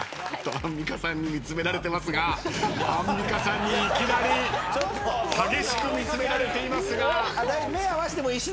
アンミカさんに見つめられてますがアンミカさんにいきなり激しく見つめられていますが。